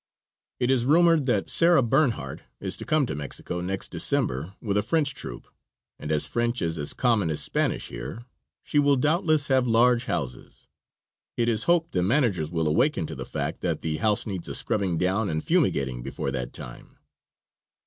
It is rumored that Sarah Bernhardt is to come to Mexico next December with a French troupe, and as French is as common as Spanish here, she will doubtless have large houses. It is to be hoped the managers will awaken to the fact that the house needs a scrubbing down and fumigating before that time.